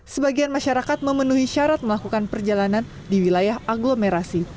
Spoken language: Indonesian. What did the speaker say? sebagian masyarakat memenuhi syarat melakukan perjalanan di wilayah agglomerasi